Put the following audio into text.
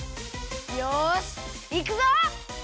よしいくぞ！